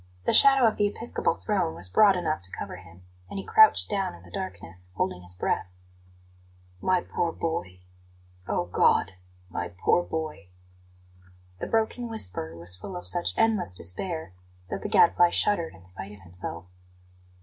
The shadow of the episcopal throne was broad enough to cover him, and he crouched down in the darkness, holding his breath. "My poor boy! Oh, God; my poor boy!" The broken whisper was full of such endless despair that the Gadfly shuddered in spite of himself.